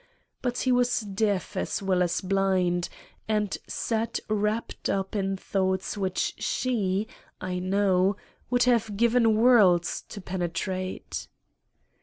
But he was deaf as well as blind; and sat wrapped up in thoughts which she, I know, would have given worlds to penetrate.